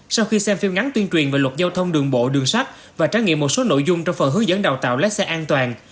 sau khi xem phim ngắn tuyên truyền về luật giao thông đường bộ đường sắt và trải nghiệm một số nội dung trong phần hướng dẫn đào tạo lái xe an toàn